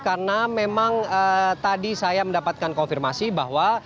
karena memang tadi saya mendapatkan konfirmasi bahwa